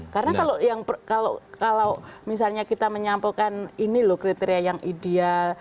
karena kalau misalnya kita menyampulkan ini loh kriteria yang ideal